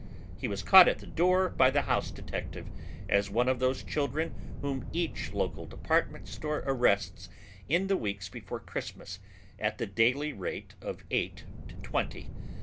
He was caught at the door by the house detective as one of those children whom each local department store arrests in the weeks before Christmas at the daily rate of eight to twenty.